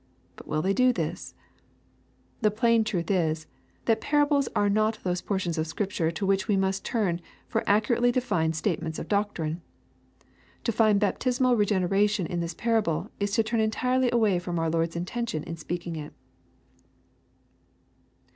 But will they do this ? The plain truth is, that parables are not those portions of Scripture to which we must turn for accurately defined state ments of doctrine. To find baptismal regeneration in this parable, is to turn entirely away from our Lord's intention in speaking it.